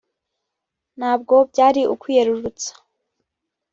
ntabwo byari ukwiyerurutsa